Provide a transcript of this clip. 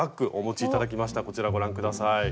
こちらご覧下さい。